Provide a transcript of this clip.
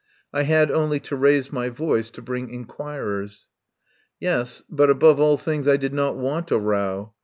I had only to raise my voice to bring inquirers. Yes, but above all things I did not want a row.